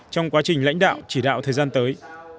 trong quá trình lãnh đạo chỉ đạo thời gian tới